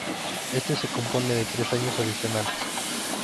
Este se compone de tres años adicionales.